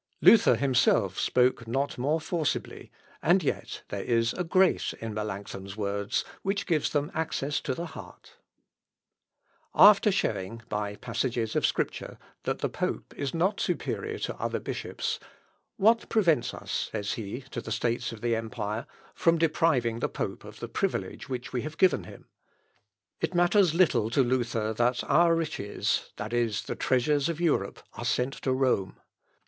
Luther himself spoke not more forcibly, and yet there is a grace in Melancthon's words which gives them access to the heart. [Sidenote: NEW WORK BY MELANCTHON.] After showing, by passages of Scripture, that the pope is not superior to other bishops; "What prevents us," says he to the States of the empire, "from depriving the pope of the privilege which we have given him? It matters little to Luther that our riches, i.e. the treasures of Europe, are sent to Rome.